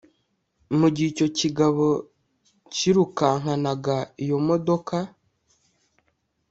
Mu gihe icyo kigabo kirukankanaga iyo modoka